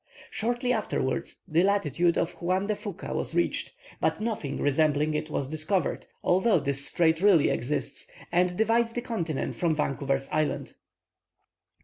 Shortly afterwards the latitude of Juan de Fuca was reached, but nothing resembling it was discovered, although this strait really exists, and divides the continent from Vancouver's Island.